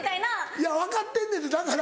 いや分かってんねんてだから。